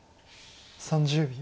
３０秒。